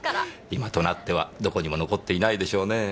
今となってはどこにも残っていないでしょうねぇ。